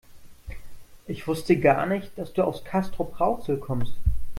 Ich wusste gar nicht, dass du aus Castrop-Rauxel kommst